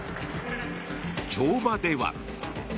跳馬では。